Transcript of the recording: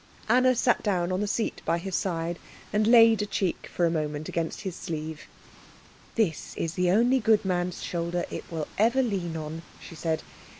Anna sat down on the seat by his side, and laid her cheek for a moment against his sleeve. "This is the only good man's shoulder it will ever lean on," she said.